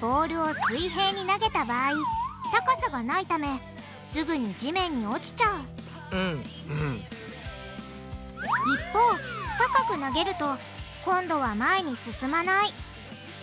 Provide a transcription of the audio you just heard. ボールを水平に投げた場合高さがないためすぐに地面に落ちちゃう一方高く投げると今度は前に進まない。